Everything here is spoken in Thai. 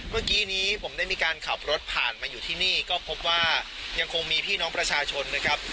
เมื่อกี้นี้ผมได้มีการขับรถผ่านมาอยู่ที่นี่ก็พบว่ายังคงมีพี่น้องประชาชนนะครับ